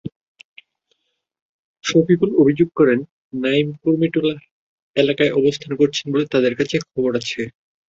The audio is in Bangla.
সফিকুল অভিযোগ করেন, নাঈম কুর্মিটোলা এলাকায় অবস্থান করছেন বলে তাঁদের কাছে খবর আছে।